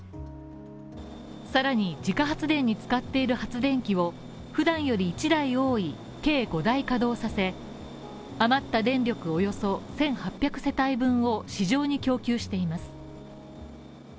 更に自家発電に使っている発電機をふだんより１台多い計５台稼働させ余った電力およそ１８００世帯分を市場に供給しています。